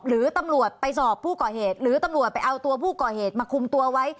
หรือตำรวจไปสอบผู้ก่อเหตุหรือตำรวจไปเอาตัวผู้ก่อเหตุมาคุมตัวไว้